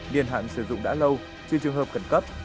điện hạn sử dụng đã lâu chưa trường hợp cẩn cấp